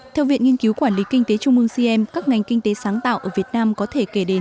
theo viện nghiên cứu quản lý kinh tế trung ương cm các ngành kinh tế sáng tạo ở việt nam có thể kể đến